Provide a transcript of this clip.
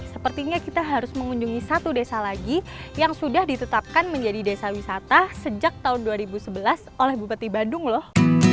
sepertinya kita harus mengunjungi satu desa lagi yang sudah ditetapkan menjadi desa wisata sejak tahun dua ribu sebelas oleh bupati bandung loh